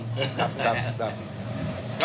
ครับครับ